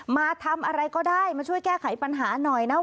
มาทำอะไรก็ได้มาช่วยแก้ไขปัญหาหน่อยนะ